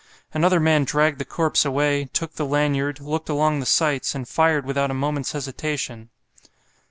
Another man dragged the corpse away, took the lanyard, looked along the sights, and fired without a moment's hesitation.